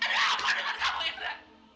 ada apa dengan kamu indra